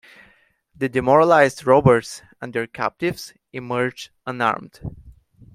The demoralised robbers and their captives emerged unharmed.